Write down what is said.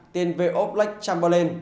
tiền vệ oplek chamberlain